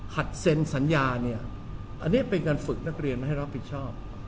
เซ็นสัญญาเนี่ยอันนี้เป็นการฝึกนักเรียนมาให้รับผิดชอบ